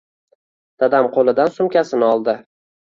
Dadam koʻlidan soʻmkasini oldi.